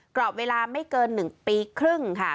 กรอบเวลาไม่เกิน๑ปีครึ่งค่ะ